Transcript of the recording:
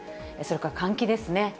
それから換気ですね。